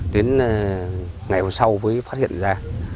đến ngày hôm sau mới phát hiện ra